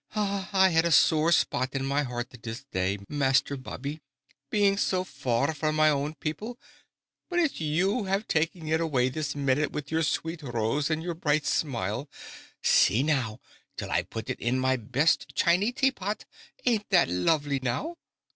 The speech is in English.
I had a sore spot in my heart this day, Master Bobby, bein' so far from my own people; but it's you have taken it away this minute, wid yer sweet rose and yer bright smile. See now, till I put it in my best chiny taypot. Ain't that lovely, now?"